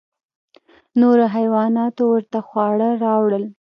نورو حیواناتو ورته خواړه راوړل.